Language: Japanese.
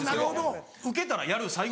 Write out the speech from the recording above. ウケたらやる最後